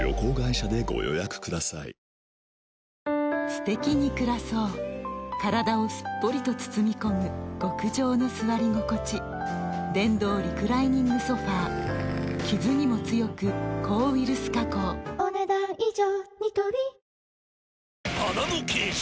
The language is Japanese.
すてきに暮らそう体をすっぽりと包み込む極上の座り心地電動リクライニングソファ傷にも強く抗ウイルス加工お、ねだん以上。